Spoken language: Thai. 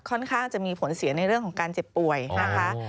ข้างจะมีผลเสียในเรื่องของการเจ็บป่วยนะคะ